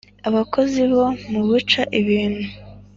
Abakozi bo mu buca ibintu